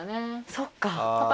そっか。